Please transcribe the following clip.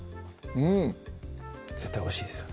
うん絶対おいしいですよね